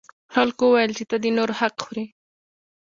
خلکو وویل چې ته د نورو حق خوري.